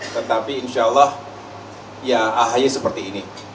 tetapi insya allah ya ahy seperti ini